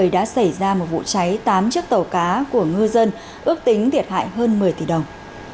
đã xảy ra một vụ cháy tám chiếc tàu cá của ngư dân ước tính thiệt hại hơn một mươi tỷ đồng